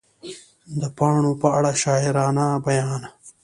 د پاڼو په اړه شاعرانه بیان